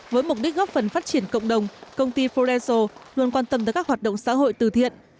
với mục đích góp phần phát triển cộng đồng công ty foresal luôn quan tâm tới các hoạt động xã hội từ thiện